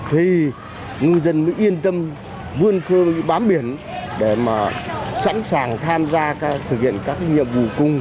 thì ngư dân mới yên tâm vươn khơi bám biển để mà sẵn sàng tham gia thực hiện các cái nhiệm vụ cung